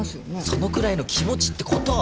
そのくらいの気持ちってこと！